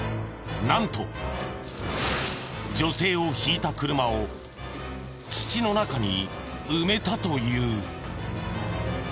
なんと女性をひいた車を土の中に埋めたという。